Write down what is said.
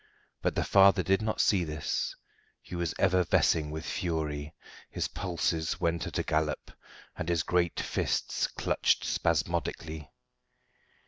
But the father did not see this. He was effervescing with fury. His pulses went at a gallop, and his great fists clutched spasmodically.